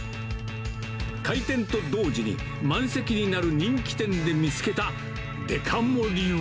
開店と同時に、満席になる人気店で見つけたデカ盛りは。